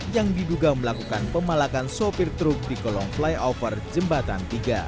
yang diduga melakukan pemalakan sopir truk di kolong flyover jembatan tiga